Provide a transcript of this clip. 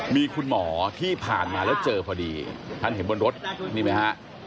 มีคุณหมอที่ผ่านมาแล้วเจอพอดีท่านเห็นบนรถนี่ไหมฮะ